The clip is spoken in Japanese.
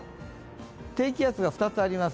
低気圧が２つあります。